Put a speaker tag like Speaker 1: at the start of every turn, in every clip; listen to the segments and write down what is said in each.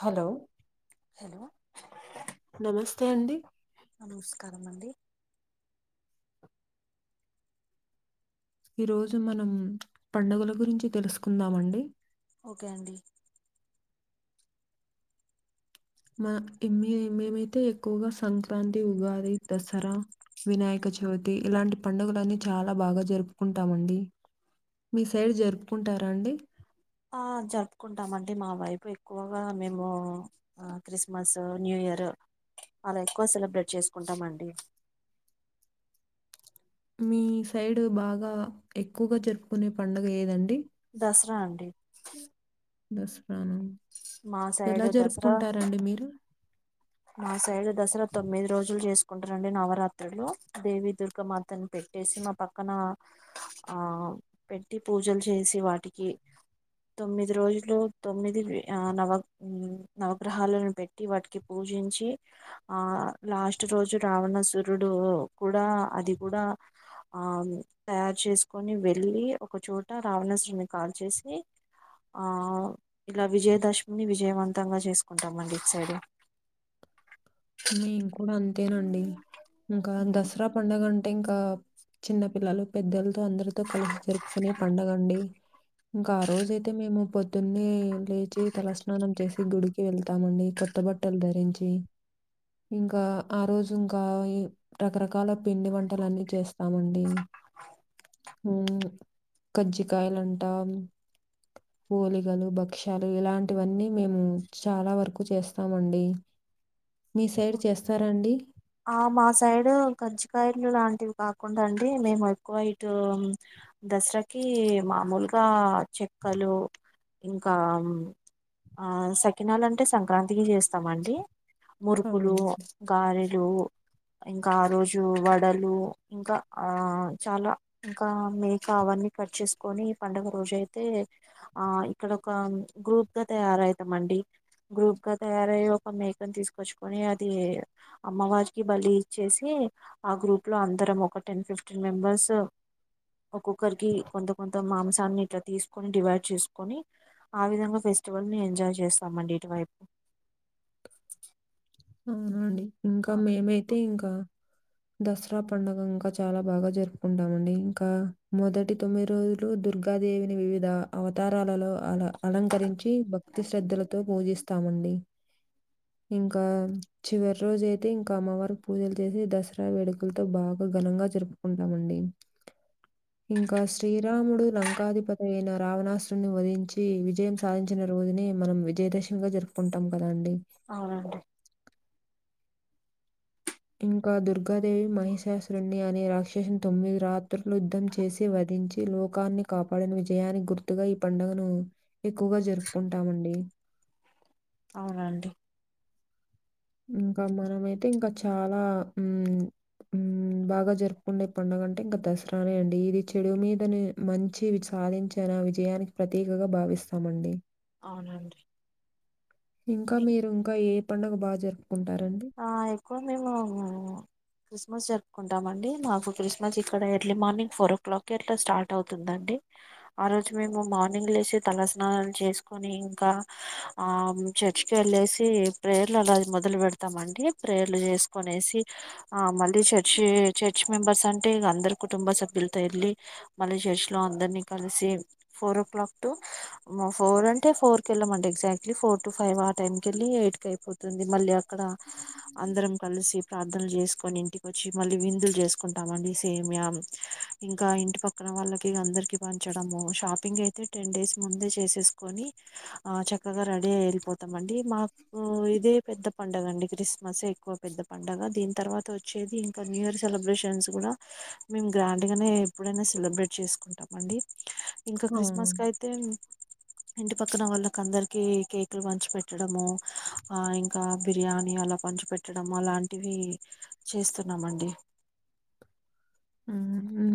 Speaker 1: Hello
Speaker 2: hello
Speaker 1: నమస్తే అండి
Speaker 2: నమస్కారం అండి
Speaker 1: ఈ రోజు మనం పండుగల గురించి తెలుసుకుందామండి.
Speaker 2: ఓకే అండి
Speaker 1: మన ఇ మే మేమైతే ఎక్కువగా సంక్రాంతి, ఉగాది, దసరా వినాయక చవితి ఇలాంటి పండగలన్నీ చాలా బాగా జరుపుకుంటామండి. మీ సైడ్ జరుపుకుంటారా అండి.
Speaker 2: ఆ జరుపుకుంటామండి మా వైపు ఎక్కువగా మేమూ ఆ క్రిస్మస్ న్యూ ఇ ఇయరు అలా ఎక్కువ సెలబ్రేట్ చేసుకుంటాం అండి.
Speaker 1: మీ సైడు బాగా ఎక్కువగా జరుపుకునే పండుగ ఏదండి.
Speaker 2: దసరా అండి
Speaker 1: దసరానా
Speaker 2: మా
Speaker 1: ఎలా
Speaker 2: సైడ్ దసరా
Speaker 1: జరుపుకుంటారండి మీరు.
Speaker 2: మా సైడు దసరా తొమ్మిది రోజులు చేసుకుంటారండి నవరాత్రులూ దేవి దుర్గామాతను పెట్ ట్టేసీ మా పక్కనా ఆ పెట్టి పూజల్ చేసి వాటికి తొమ్మిది రోజులు తొమ్మిది ఆ నవ నవగ్రహాలను పెట్టి వాటికి పూజించి ఆ లాస్ట్ రోజు రావణుసురుడూ కూడా అది కూడా ఆ తయారు చేసుకొని వెళ్ళీ ఒక చోట రావణాసురుడిని కాల్చేసీ ఆ ఇలా విజయదశమి విజయవంతంగా చేసుకుంటాం అండి ఇటు సైడు.
Speaker 1: మేం కూడా అంతేనండి ఇంకా దసరా పండగ అంట్ నే ఇంకా చిన్న పిల్లలు పెద్దల్తో అందరితో కలిసి జరుపుకునే పండగండి. ఇంకా ఆ రోజ అయితే మేము పొద్దున్నే లేచి తలస్నానం చేసి గుడికి వెళ్తామండి కొత్ కొత్త బట్టల్ ధరించీ ఇంకా ఆ రోజు ఇంకా ఈ రకరకాల పిండి వంటలన్నీ చేస్తామండీ. ఉ కజ్జికాయల అంటా పోలిగలు భక్ష్యాలు ఇలాంటివన్నీ మేము చాలా వరకు చేస్తామండి మీ సైడ్ చేస్తారాండి
Speaker 2: ఆ మా సైడ్ కజ్జికాయలు లాంటివి కాకుండా అండి మేము ఎక్కువ ఇటు దసరాకి మామూలుగా చెక్కలు ఇంకా ఆ సకినాలు అంటే సంక్రాంతికి చేస్తామండి మురుకులు
Speaker 1: అవును.
Speaker 2: గారే లు ఇంకా ఆ రోజు వడలు ఇంకా ఆ చాలా ఇంకా మేకా అవన్నీ కట్ చేస్కొ కట్ చేసుకొని పండుగ రోజు అయితే ఆ ఇక్కడ ఒక గ్రూప్ గా తయారవుతాం అం అండి గ్రూప్ గా తయారయి ఒక మేకని తీసుకొచ్చుకని అది అమ్మవారికి బలి ఇచ్చేసి ఆ గ్రూప్ లో అందరం ఒక టెన్ ఫిఫ్టీన్ మెంబెర్స్ ఒక్కొక్కరికి కొంత కొంత మాంసం దాన్ని ఇట్లా తీసుకొని డివైడ్ చేసుకొని ఆ విధంగా ఫెస్టివల్ ని ఎంజాయ్ చేస్తామండి ఇటువైపు
Speaker 1: అవునండి ఇంకా మేమైతే ఇంకా దసరా పండుగ ఇంకా చాలా బాగా జరుపుకుంటామండి ఇంకా మొదటి తొమ్మిది రోజులు దుర్గా దుర్గాదేవిని వివిధ అవతారాలలో అల అలంకరించి భక్తి శ్రద్ధలతో పూజిస్తామండి ఇంకా ఇంకా చివరి రోజు అయితే ఇంకా అమ్మవారికి పూజలు చేసి దసరా వేడుకలతో బాగా ఘనంగా జరుపు కుంటామండి ఇంకా శ్రీరాముడు లంకాధిపతి అయిన రావణాసుుని వధించి విజయం సాధించిన ఆ రోజుని మనం విజయదశమి గా జరుపుకుంటాం కదా అండి
Speaker 2: అవునండి
Speaker 1: ఇంకా దుర్గాదేవి మహిషాసురున్ని అనే రాక్షసుని తొమ్మిది రాత్ యుద్ధం చేసి వధించి లో కాన్ని కాపాడిని విజయానికి గుర్తుగా ఈ పండుగను ఎక్కువగా జరుపుకుంటామండి
Speaker 2: అవునండి
Speaker 1: ఇంకా మనమైయితే ఇంకా చాలా మ్మ్ మ్మ్ బాగా జరుపుకుండే పండుగ అంటే ఇంకా దసరానే అండి ఇది చెడు మీదని మంచి వి సాధించ నా విజయానికి ప్రతీకగా భావిస్తామండి
Speaker 2: అవునండి
Speaker 1: ఇంకా మీరు ఇంకా ఏ పండగ బాగా జరు
Speaker 2: ఆ ఎక్కువ మేము క్రిస్మస్ జరుపుకుంటాం అండి మాకు క్రిస్మస్ ఇక్కడ early morning four o'clock ఎట్లా స్టార్ట్ అవుతుందండి ఆ రోజు మేము మార్నింగ్ లేసి తలస్నానాలు చేసుకుని ఇంకా ఆ చర్చ్ కెళ్ళేసి ప్రేయర్లు అలాది మొదలు పెడత మండి ప్రేయర్లు చేసుకునేసి ఆ మళ్ళీ చర్చి చర్చ్ మెంబర్స్ అంటే అంటే అందరు కుటుంబ సభ్యులతో వెళ్ళి మళ్ళీ చర్చి లో అందరినీ కలిసి four o'clock to four అంటే ఫోర్ కెళ్లమండి ఎగ్జాక్ట్లీ ఫోర్ టు ఫైవ్ ఆ టైం కెళ్ళి ఎయిట్ క అయిపోతుంది మళ్ళీ అక్కడ అందరం కలిసి ప్రార్ చేసుకొని ఇంటిక వచ్చి మళ్ళీ విందులు చేసుకుంటామండి సేమియా ఇంకా ఇంటి పక్కన వాళ్ కి అందరికి పంచడం షాపింగ్ అయితే టెన్ డేస్ ముందే చేసేస్కోని ఆ చక్కగా డే వెళ్ళిపోతామండి మాకు ఇదే పెద్ద పండుగ అండి క్రిస్మసే ఎక్కువ పెద్ద పండుగ దీని తర్వాత వచ్చేది ఇంకా న్యూ ఇయర్ సెలబ్రేషన్స్ కూడా మేము గ్రాండ్ గానే ఎప్పుడైనా సెలబ్రేట్ చేసుకుంటాం అండి ఇంకా
Speaker 1: ఆ!
Speaker 2: క్రిస్మస్కీ అయితే ఇంటి పక్కన వాళ్ళకి అందరికి కేక్లు పంచి పెట్టడము ఆ ఇం ఇంకా బిర్యానీ అలా పంచు పెట్టడం అలాంటివి చేస్తున్నామండి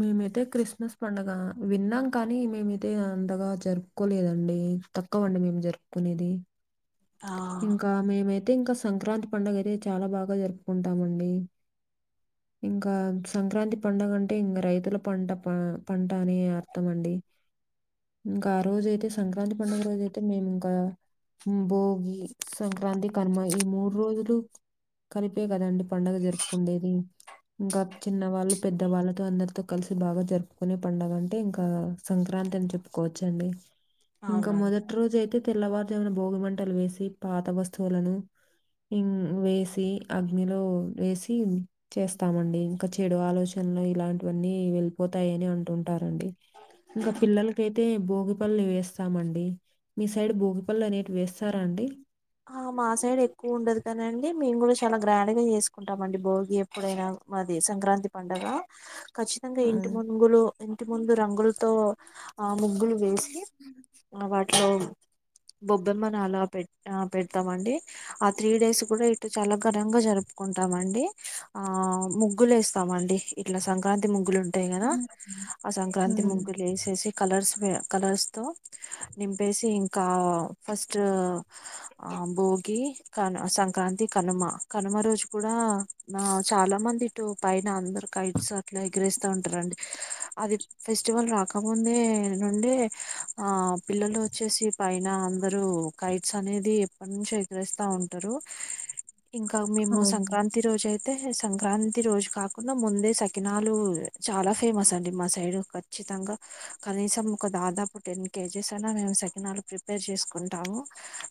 Speaker 1: మేమైతే క్రిస్మస్ పండగ విన్నాం కానీ మేమైతే అందగా జరుపుకో తలేదండి తక్కువండి మేము జరుపుకునేది
Speaker 2: ఆ
Speaker 1: ఇంకా మేమైతే కా సంక్రాంతి పండుగ అయితే చాలా బాగా జరుపుకుంటామండి ఇంకా సంక్రాంతి పండగ అంటే ఇంకా రైతుల పంట పంట అని అర్థం అండి ఇంకా ఆ రోజ అయితే సంక్రాంతి పండుగ రోజు అయితే మేము ఇంకా భో గి సంక్రాంతి కనుమ ఈ మూడు రోజులు కలిపే కదండి పండుగ జరుపుకుండేది ఇంకా చిన్న వాళ్ళు పెద్దవాళ్ళతో అందరితో కలిసి బాగా జరుపుకునే పండుగ అంటే ఇంకా సంక్రాంతి త చెప్పుకోవచ్చండి ఇంకా
Speaker 2: అవునండి
Speaker 1: మొదటి రోజు అయితే తెల్లవారు జామున భోగి మంటలు వేసి పాత వస్తువులు అనేవి ఇం వేసి అగ్నిలో వేసి చేస్తామండి ఇంకా చెడు ఆలోచన ఇలాంటివన్నీ వెళ్ళిపోతాయ అని అంటుంటారండి ఇంకా పిల్లలకయితే భోగి పళ్ళు వేస్తామండి మీ సైడ్ భోగిపళ్ళ అనేవి వేస్తారా అండి
Speaker 2: ఆ మా సైడ్ ఎక్కువ ఉండదు కానండి మేము కూడా చాలా గ్రాండ్ గా చేసుకుంటాంమండి భోగి ఎప్పుడైనా మాది సంక్రాంతి పండగ ఖచ్చితంగా
Speaker 1: ఆ!
Speaker 2: ఇంటి ముగులు ఇంటి ముందు రంగులతో ఆ ముగ్గులు వేసి వాటిలో బొబ్బెమ్మని అలా పెట్ ఆ పెడతామండి ఆ త్రీ డేస్ కూడా ఇటు చాలా ఘనంగా జరుపుకుంటామండి ఆ ఆ ముగ్గులు వేస్తామ అండి ఇట్లా సంక్రాంతి ముగ్గులు ఉంటా ట్టా కదా
Speaker 1: హ్మ్.
Speaker 2: ఆ సంక్రాంతి
Speaker 1: హ్మ్.
Speaker 2: ముగ్గులు వేసేసి కలర్స్ కలర్స్ తో నింపేసి ఇంకా ఫస్ట్ ఆ భోగి కను సంక్రాంతి కనుమ కనుమ రోజు కూడా నా చాలా మంది ఇటు పైన అందరు కైట్స్ అట్లా ఎగిరేస్తా ఉంటారండి అది ఫెస్టివల్ రాకముందే నుండే ఆ పిల్లలు వచ్చేసి పైన అందరూ అనేది ఎప్పటి నుంచి ఎగరేస్తా ఉంటారు ఇంకా మేము
Speaker 1: అవును.
Speaker 2: సంక్రాంతి రోజు అయితే అయితే సంక్రాంతి రోజు కాకుండా ముందే సకినాలు చాలా ఫేమస్ అండి మా సైడ్ వచ్చి ఖచ్చితంగా కనీసం ఒక దాదాపు టెన్ కేజెస్ అయినా మేము సకినాలు ప్రిపేర్ చేసుకుంటాము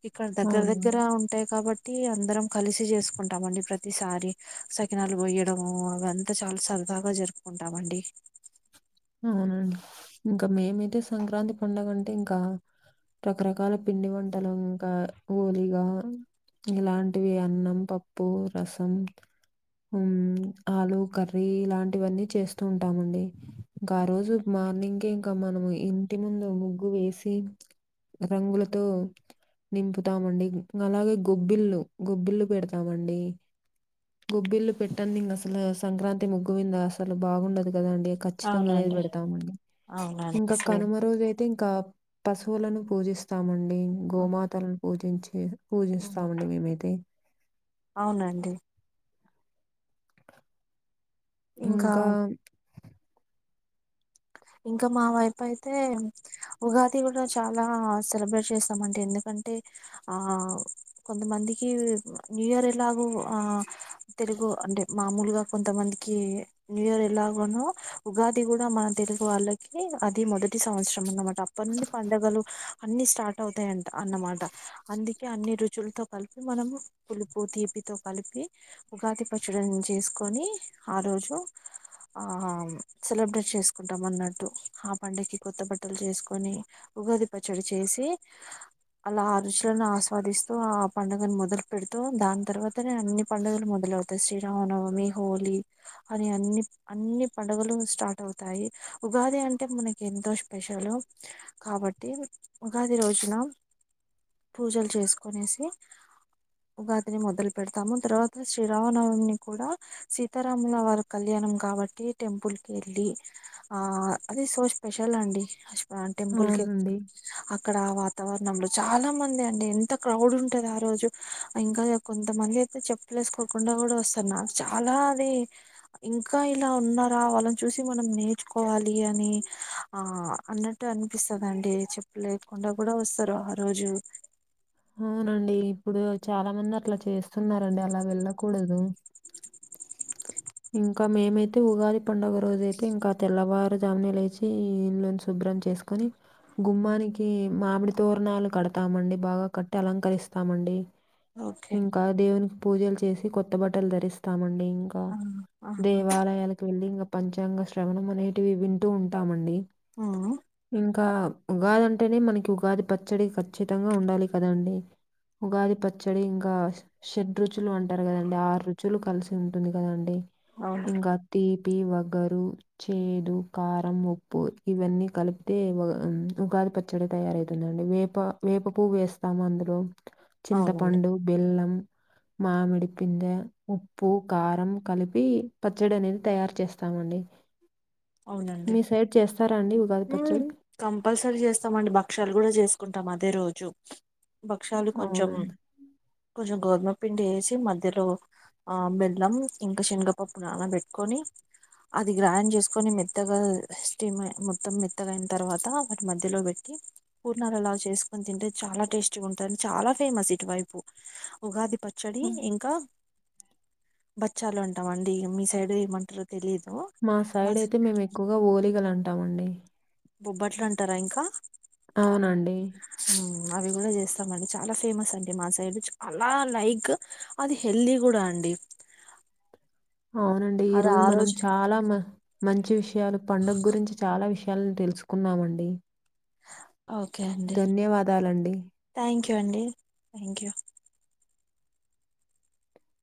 Speaker 2: ఇక్కడ దగ్గర
Speaker 1: అవును
Speaker 2: దగ్గర ఉంటాయి కాబట్టి ప్రతి అందరం కలిసి చేసుకుంటామండి ప్రతిసారి సకినాలు పోయడము అవి అంతా చాలా చదు బాగా జరుపుకుంటామండి
Speaker 1: అవునండి ఇంకా మేమైతే సంక్రాంతి పండుగ అంటే ఇంకా రకరకాల పిండి వంటలు ఇంకా ఓలిగా ఇలాంటివి అన్నం పప్పు రసం ఉ ఆలు కర్రీ ఇలాంటివన్నీ చేస్తూ ఉంటామండి ఇంకా ఆ రోజు మార్నింగ్ కే ఇంకా మనం ఇంటి ముందు ముగ్గు వేసి రంగులతో నింపుతామండి అలాగే గొబ్బిల్లు గొబ్బిల్లు పెడతామండి గొబ్బిల్లు పెట్టంది ఇంక అసలు సంక్రాంతి ముగ్గు వింద అసలు బాగుండదు కదండి చ్చిత అనేది
Speaker 2: అవునండి
Speaker 1: పెడతామండి
Speaker 2: అవునండి
Speaker 1: ఇంకా
Speaker 2: సేమ్
Speaker 1: కనుమ రోజు అయితే ఇంకా పస్తువులను పూజిస్తామండి గోమాతలను పూజించి పూజిస్తామండి మేమైతే
Speaker 2: అవునండి
Speaker 1: ఇంకా
Speaker 2: ఇంకా మా వైపు అయితే ఉగాది కూడా చాలా సెలబ్రేట్ చేస్తామంటే ఎందుకంటే ఆ కొంతమందికి న్యూ ఇయర్ ఎలాగో ఆ తెలుగు అంటే మామూలుగా కొంతమందికి న్యూ ఇయర్ ఎలాగనో ఉగాది కూడా మన తెలుగు వాళ్ళకి అది మొదటి సంవత్సరం అన్నమాట అప్పటి నుండి పండుగలు అన్ని స్టార్ట్ అవుతాయిం అన్నమాట అందికి కే అన్ని రుచులతో కలిపి మనము పులుపు తీపితో కలిపి ఉగాది పచ్చడి చేసుకో కోని ఆ రోజు ఆ సెలబ్రేట్ చెస్ కుంటాం అన్నట్టు ఆ పండకి కొత్త బట్టలు చేసుకొని ఉగాది పచ్చడి చేసి అలా ఆ రుచులను ఆస్వాదిస్తూ ఆ పండుగను మొదలు పెడుతూ దాని తర్వాత తనే అన్ని పడుగలు మొదలు అవుతాయి శ్రీ రామనవమి హోలీ అని అన్ని అన్ని పండుగలు స్టార్ట్ అవు తాయి ఉగాది అంటే మనకి ఎంతో స్పెషల్ కాబట్టి ఉగాది రోజున నా పూజలు చేసుకోనేసి ఉగాదిని మొదలు పెడతాము తర్వాత శ్రీరామనవమిని కూడా సీతారాముల వారి కళ్యాణ్ ణం కాబట్టి టెంపుల్ కి వెళ్ళి ఆ అది సో స్పెషల్ అండి స్వ టెంపుల్ కెల్
Speaker 1: అవునండి.
Speaker 2: అక్కడ వాత్ వాతావరణంలో చాలా మంది అండి ఎంత క్రౌడ్ ఉంటది ఆ రోజు ఇంకా కొంతమంది అయితే చెప్పలేమ్ వేసుకోకుండా కూడా వస్తున్నా నాకు చాలా అది ఇంకా ఇలా ఉన్నార వాళ్ళని చూసి మనం నేర్చుకోవాలి అని ఆ అన్నట్టు అనిపిస్తుందిండి చెప్పలేకుండా కూడా కూడా వస్తారు ఆ రోజు
Speaker 1: అవునండి ఇప్పుడు చాలా మంది అట్లా చేస్తున్నండి అలా వెళ్ళకూడదు ఇంకా మేమైతే ఉగాది పండుగ రోజు అయితే ఇంకా తెల్లవారుజాముినే లేచి ఇల్లును శుబా బ్రం చేసుకోని గుమ్మానికి మామిడి తోరణాలు కడతామండి బాగా కట్టి అలంకరిస్తాం మండి
Speaker 2: ఓకే
Speaker 1: ఇంకా దేవునికి పూజలు చేసి కొత్త బట్టలు ధరిస్తామండి ఇంకా
Speaker 2: ఆ ఆహా
Speaker 1: దేవాలయాలకు వెళ్ళి ఇంకా పంచాంగ శ్రవణం అనేటివి వింటూ ఉంటామండి
Speaker 2: ఆ
Speaker 1: ఇంకా ఉగాది అంటేనే మనకి ఉగాది పచ్చడి ఖచ్చితంగా ఉండాలి కదండి ఉగాది పచ్చడి ఇంకా షెడ్రు రుచు రుచులు అంటారు కదండి ఆరు రుచులు కలిసి ఉంటుంది కదండి
Speaker 2: అవును
Speaker 1: ఇంకా తీ పి వగరు చేదు కారం ఉప్పు ఇవన్నీ కలిపితే వాగా ఉగా పచ్చడి తయారవుతుందండి వేప వేప పువ్వు వేస్తాము అందులో
Speaker 2: అవునండి
Speaker 1: చింతపండు బెల్లం మామిడి పింధ్యా ఉప్పు కారంం కలిపి పి పచ్చడి అనేది తయారు చేస్తామండి మీ సైడ్ చేస్తారాడి
Speaker 2: ఉ కంపల్సరీ చేస్తామండి భక్షలు కూడా చేసుకుంటాం అదే రోజు భక్షాలు కొంచెం
Speaker 1: అవునండి.
Speaker 2: కొంచెం గోధుమ పిండి వేసి మధ్యలో ఆ బెల్లం ఇంకా శనగపప్పు నానా పెట్టుకొని అది గ్రైండ్ చేసుకోని మెత్తగా స్టీమ్ అయ్య మోత్తు మొత్తం మెత్తగాయిన తర్వాత వాటి మధ్యలో పెట్టి పూర్నాలు అలా చేసుకుొని తింటే చాలా టేస్టీగా ఉంటన్ చాలా ఫేమస్ ఇటువైపు ఉగాది ప చ్చడి
Speaker 1: హ్మ్.
Speaker 2: ఇంకా బచ్చాలు అంటాం అండి మీ సైడ్ ఏమంటారో తెలిదు
Speaker 1: మా సైడ్ అయితే మేము ఎక్కువగా ఓలిగలు అంటామండి
Speaker 2: బొబ్బట్లు అంటారా ఇంకా
Speaker 1: అవునండి
Speaker 2: అవి కూడా చేస్తామండి చాలా ఫేమస్ అండి మా సైడ్ అలా లైక్ అది హెల్దీ కూడా అండి
Speaker 1: అవునండి ఈ
Speaker 2: అది
Speaker 1: రోజు
Speaker 2: ఆ
Speaker 1: మనం చాలా మ మంచి విషయం ఇయలా పండుగ గురించి చాలా విషయాలను తెలుసుకున్నామండి
Speaker 2: ఓకే అండి
Speaker 1: ధన్యవాదాలండి.
Speaker 2: థ్యాంక్ యూ అండి థ్యాంక్ యూ